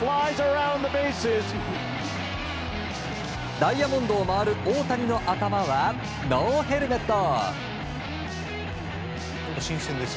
ダイヤモンドを回る大谷の頭はノーヘルメット。